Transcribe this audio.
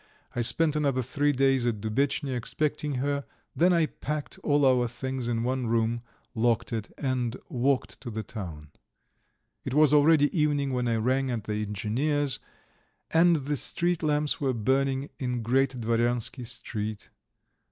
I spent another three days at Dubetchnya expecting her, then I packed all our things in one room, locked it, and walked to the town. It was already evening when I rang at the engineer's, and the street lamps were burning in Great Dvoryansky Street.